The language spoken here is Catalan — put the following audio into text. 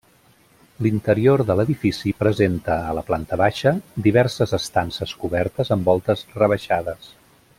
L'interior de l'edifici presenta, a la planta baixa, diverses estances cobertes amb voltes rebaixades.